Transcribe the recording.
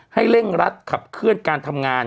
เร่งรัดขับเคลื่อนการทำงาน